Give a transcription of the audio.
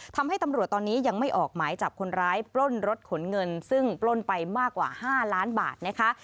ทำให้ตำรวจตอนนี้ยังไม่ออกหมายจับคนร้ายปล้นรถขนเงินซึ่งปล้นไปมากกว่า๕ล้านบาทนะคะ